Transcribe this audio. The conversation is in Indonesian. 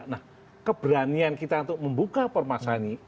nah keberanian kita untuk membuka permasalahan ini